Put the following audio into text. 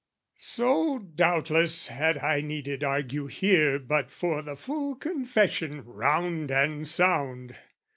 So, doubtless, had I needed argue here But for the full confession round and sound!